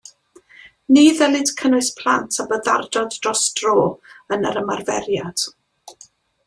Ni ddylid cynnwys plant â byddardod dros dro yn yr ymarferiad.